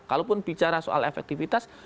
kalaupun bicara soal efektifitas